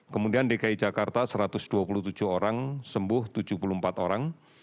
kemudian dki jakarta satu ratus dua puluh tujuh orang sembuh tujuh puluh empat orang